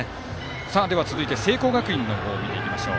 では、続いて聖光学院を見ていきましょう。